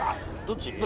どっち？